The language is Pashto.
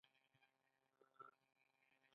آیا دوی فیشن او ټیکنالوژي نه خوښوي؟